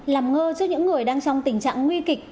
làm ngơ trước những người đang trong tình trạng nguy kịch